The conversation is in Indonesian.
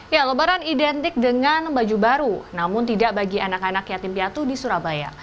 ya lebaran identik dengan baju baru namun tidak bagi anak anak yatim piatu di surabaya